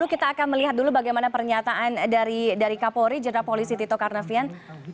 kita akan melihat dulu bagaimana pernyataan dari kapolri jenderal polisi tito karnavian